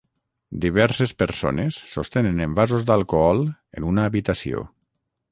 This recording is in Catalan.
Diverses persones sostenen envasos d'alcohol en una habitació.